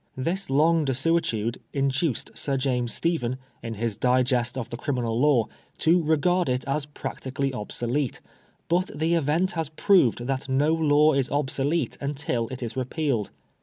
This long desuetude induced Sir James Stephen, in his '< Digest of the Criminal Law" to regard it as " practically obsolete." But the event has proved that no law is obsolete until it is repealed.